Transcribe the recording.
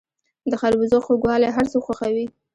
د خربوزو خوږوالی هر څوک خوښوي.